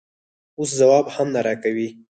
اوس ځواب هم نه راکوې؟